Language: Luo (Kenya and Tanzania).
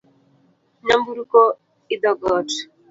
Nyamburko idho got